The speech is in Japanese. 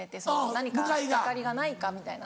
「何か引っ掛かりがないか」みたいな。